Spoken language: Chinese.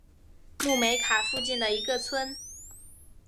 穆梅卡附近的一个村。